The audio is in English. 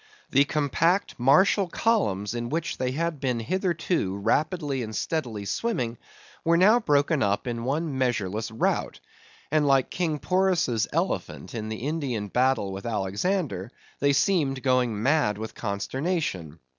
The compact martial columns in which they had been hitherto rapidly and steadily swimming, were now broken up in one measureless rout; and like King Porus' elephants in the Indian battle with Alexander, they seemed going mad with consternation.